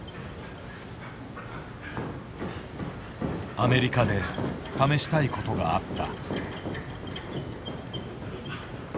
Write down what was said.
アメリカで試したいことがあった。